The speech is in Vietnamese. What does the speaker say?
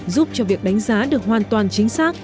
giúp cho việc đánh giá được hoàn toàn chính xác